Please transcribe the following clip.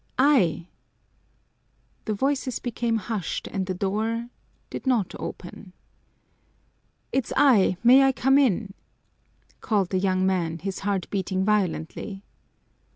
"I!" The voices became hushed and the door did not open. "It's I, may I come in?" called the young man, his heart beating violently.